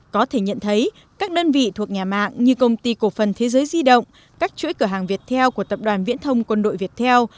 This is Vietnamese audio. có thể nhận thấy các đơn vị thuộc nhà mạng như công ty cổ phần thế giới di động các chuỗi cửa hàng viettel của tập đoàn viễn thông quân đội việt theo